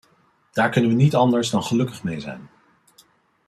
Daar kunnen wij niet anders dan gelukkig mee zijn.